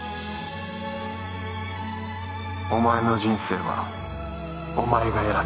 お前の人生はお前が選べ